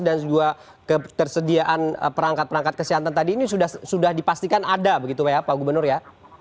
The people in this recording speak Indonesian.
dan juga ketersediaan perangkat perangkat kesehatan tadi ini sudah dipastikan ada begitu ya pak gubernur ya